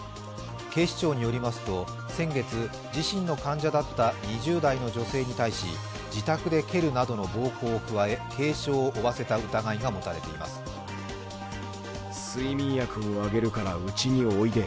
警視庁によりますと先月、自身の患者だった２０代の女性に対し、自宅で蹴るなどの暴行を加え軽傷を負わせた疑いが持たれています。